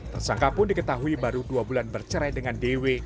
tersangka pun diketahui baru dua bulan bercerai dengan dewi